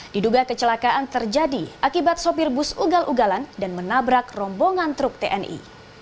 diduga kecelakaan terjadi akibat sopir bus ugal ugalan dan menabrak rombongan truk tni